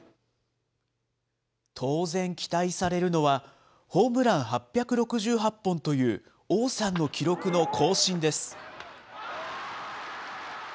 当然期待されるのは、ホームラン８６８本という王さんの記録の更新です。